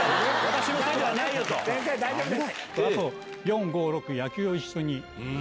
先生大丈夫です。